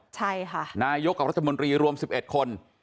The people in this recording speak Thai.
ใช่ค่ะนายกกับรัฐมนตรีรวมสิบเอ็ดคน